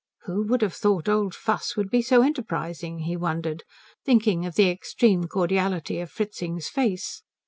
"Who would have thought old Fuss would be so enterprising?" he wondered, thinking of the extreme cordiality of Fritzing's face.